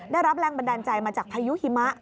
ได้รับแรงบันดาลใจมาจากพายุหิมะ